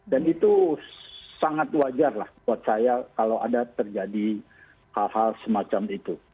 dan itu sangat wajar lah buat saya kalau ada terjadi hal hal semacam itu